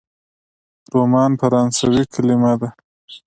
رومان فرانسوي کلمه ده.